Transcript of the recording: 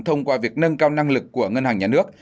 thông qua việc nâng cao năng lực của ngân hàng nhà nước